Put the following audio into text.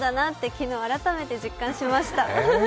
昨日、改めて実感しました。